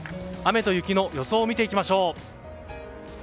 雨と雪の予想を見ていきましょう。